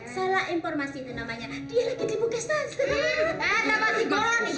salah informasi itu namanya dia lagi di buka stans